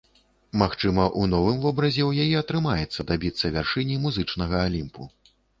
Магчыма, у новым вобразе ў яе атрымаецца дабіцца вяршыні музычнага алімпу.